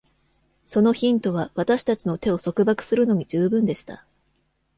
そのヒントは私たちの手を束縛するのに十分でした。